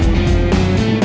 udah bocan mbak